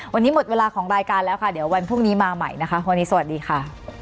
วันนี้หมดเวลาของรายการแล้วค่ะเดี๋ยววันพรุ่งนี้มาใหม่นะคะวันนี้สวัสดีค่ะ